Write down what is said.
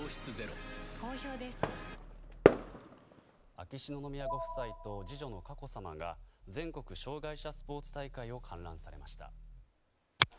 秋篠宮ご夫妻と次女の佳子さまが全国障害者スポーツ大会を観覧されました。